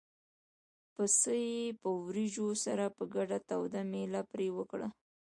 پسه یې په وریجو سره په ګډه توده مېله پرې وکړه.